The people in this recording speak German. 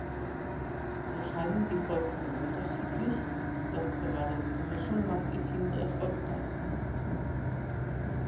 So scheinen sie vollkommen unterschiedlich, doch gerade diese Mischung macht ihr Team so erfolgreich.